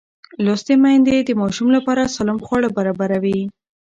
لوستې میندې د ماشوم لپاره سالم خواړه برابروي.